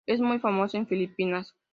Es muy famosa en Filipinas.